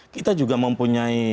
kita juga mempunyai